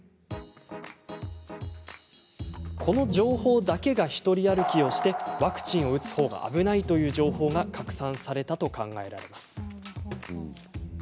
この情報だけがひとり歩きをしてワクチンを打つ方が危ないという情報が拡散されたと考えられます。